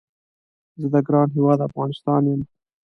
زه د ګران هیواد افغانستان یم